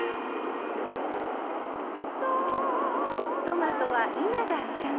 トマトは今が旬。